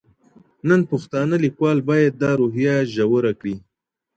نن پښتانه ليکوال بايد دا روحيه ژوره کړي.